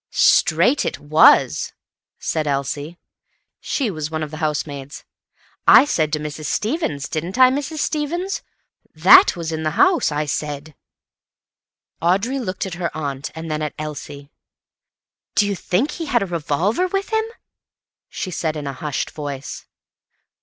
"Straight it was," said Elsie. She was one of the housemaids. "I said to Mrs. Stevens—didn't I, Mrs. Stevens?—'That was in the house,' I said." Audrey looked at her aunt and then at Elsie. "Do you think he had a revolver with him?" she said in a hushed voice.